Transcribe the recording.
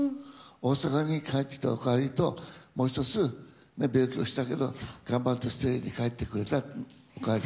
大阪に帰ってきたお帰りと、もう一つ、病気したけど頑張ってステージ帰ってきたお帰り。